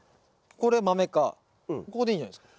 ここでいいんじゃないですか？